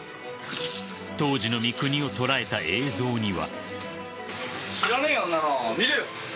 当時の三國を捉えた映像には。